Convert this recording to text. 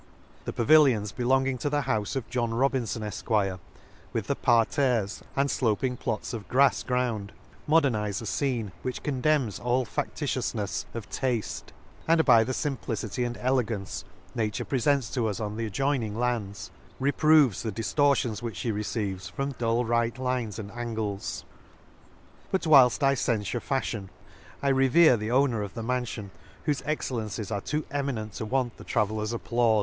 The pavillions belonging to the houfe of John Robinfon, Efq; with the parterres, and Hoping plots of grafs ground, modernize a fcene, which con demns all fadtitioufnefs of tafte ; and by the fimplicity and elegance, nature pre fents to vis on the adjoining lands, re proves the diflortions which fhe receives from dull right lines and angles; — but whilft I cenfure fafhion, I revere the owner of the maniion, whofe excellencies are too eminent to want the traveller's applaufe.